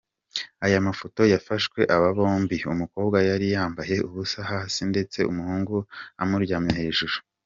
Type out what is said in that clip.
Aya mafoto yafashwe aba bombi, umukobwa yari yambaye ubusa hasi ndetse umuhungu amuryamye hejuru.